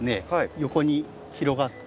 横に広がって。